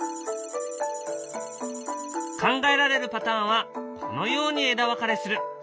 考えられるパターンはこのように枝分かれする。